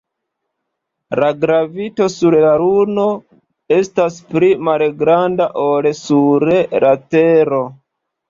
La gravito sur la Luno estas pli malgranda ol sur la Tero.